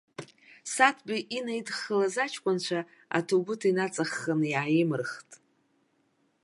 Саҭбеи инидыххылаз аҷкәынцәа аҭоубыҭ инаҵаххын иааимырхт.